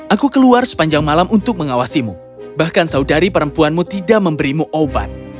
aku keluar sepanjang malam untuk mengawasimu bahkan saudari perempuanmu tidak memberimu obat